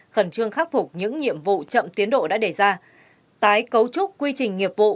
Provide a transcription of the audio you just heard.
khẩn trương khắc phục những nhiệm vụ chậm tiến độ đã đề ra tái cấu trúc quy trình nghiệp vụ